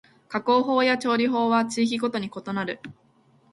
加工法や調理法は地域ごとに異なる